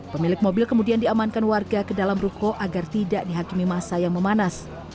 pemilik mobil kemudian diamankan warga ke dalam ruko agar tidak dihakimi masa yang memanas